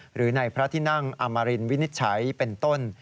หรือในพระที่นั่งอมรินวินิจฉัยเป็นต้น